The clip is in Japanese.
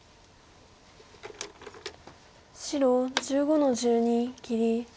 白１５の十二切り。